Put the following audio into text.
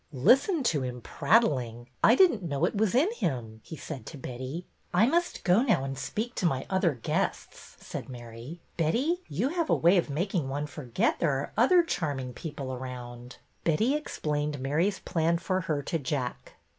Listen to him prattling. I did n't know it was in him," he said to Betty. '' I must go now and speak to my other guests," said Mary. Betty, you have a way of mak ing one forget there are other charming people around." MARY KING'S PLAN 257 Betty explained Mary's plan for her to Jack.